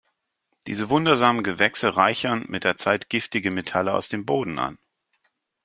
Diese wundersamen Gewächse reichern mit der Zeit giftige Metalle aus dem Boden an.